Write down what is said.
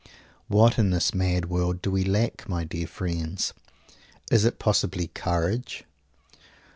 What in this mad world, do we lack, my dear friends? Is it possibly _courage?